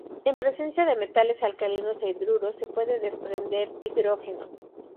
En presencia de metales alcalinos e hidruros se puede desprender hidrógeno.